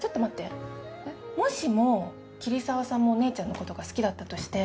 もしも桐沢さんもお姉ちゃんの事が好きだったとして。